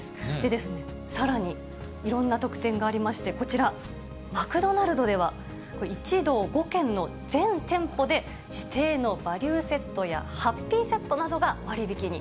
で、さらにいろんな特典がありまして、こちら、マクドナルドでは、１道５県の全店舗で、指定のバリューセットやハッピーセットなどが割引に。